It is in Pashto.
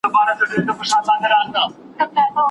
هره پوله د صیاد او غلیم جال وي